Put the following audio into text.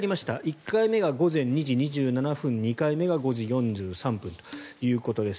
１回目が午前２時２７分２回目が午前２時４３分ということです。